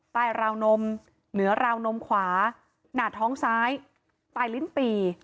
ราวนมเหนือราวนมขวาหน้าท้องซ้ายใต้ลิ้นปี